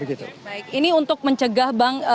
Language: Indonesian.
ini untuk mencegah bang